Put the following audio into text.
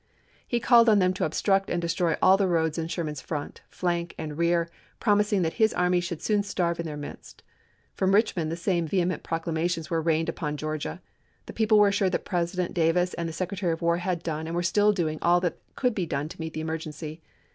He called on them to obstruct and destroy all the roads in Sherman's front, flank, and rear, promising that his army should soon starve in their midst. From Eichmond the same vehement proclamations were rained upon Georgia. The people were assured that President Davis and the Secretary of War had done and were still doing all that could be done to meet the emergency.